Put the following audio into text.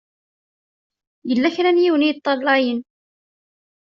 Yella kra n yiwen i yeṭṭalayen.